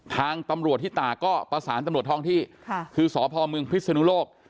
ทางตำรวจที่ตากก็ประสานตำรวจท้องที่คือสพมพิศนุโลก